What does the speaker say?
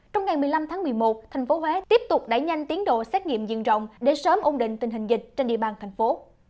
trong ngày một mươi năm tháng một mươi một thành phố huế tiếp tục đẩy nhanh tiến độ xét nghiệm diện rộng để sớm ổn định tình hình dịch trên địa bàn thành phố